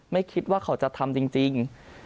ไม่คิดว่าเขาจะทำจริง